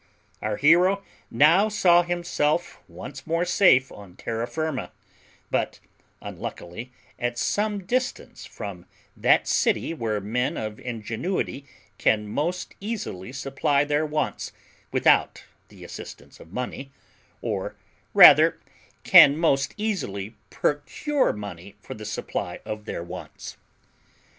Our hero now saw himself once more safe on terra firma, but unluckily at some distance from that city where men of ingenuity can most easily supply their wants without the assistance of money, or rather can most easily procure money for the supply of their wants.